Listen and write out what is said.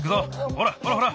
ほらほらほら。